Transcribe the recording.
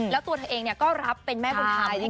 แล้วตัวเธอเองก็รับเป็นแม่บุญธรรม